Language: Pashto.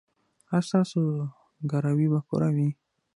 ایا ستاسو ګروي به پوره وي؟